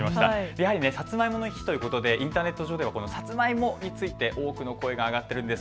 やはりさつまいもの日ということでインターネット上ではさつまいもについて多くの声が上がっているんです。